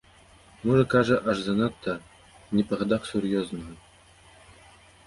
Можа, кажа, аж занадта, не па гадах сур'ёзнага.